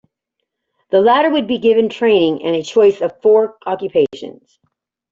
The latter would be given training and a choice of four occupations.